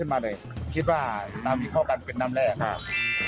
มีข้อการเป็นน้ำแร่ครับ